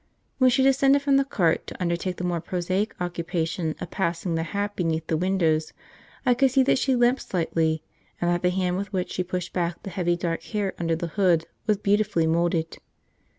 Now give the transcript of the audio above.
When she descended from the cart to undertake the more prosaic occupation of passing the hat beneath the windows, I could see that she limped slightly, and that the hand with which she pushed back the heavy dark hair under the hood was beautifully moulded.